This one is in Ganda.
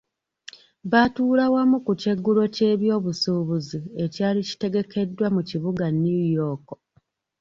Baatuula wamu ku kyeggulo ky'ebyobusuubuzi ekyali kitegekeddwa mu kibuga New York.